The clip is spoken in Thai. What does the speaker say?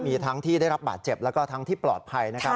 มีทั้งที่ได้รับบาดเจ็บแล้วก็ทั้งที่ปลอดภัยนะครับ